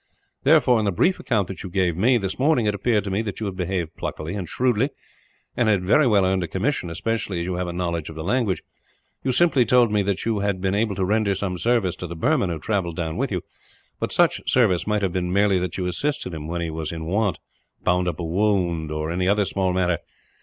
Therefore, in the brief account that you gave me, this morning, it appeared to me that you had behaved pluckily and shrewdly, and had well earned a commission, especially as you have a knowledge of the language. You simply told me that you had been able to render some service to the Burman who travelled down with you, but such service might have been merely that you assisted him when he was in want, bound up a wound, or any other small matter.